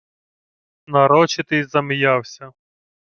Нарочитий зам'явся.